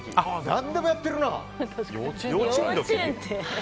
何でもやってるな。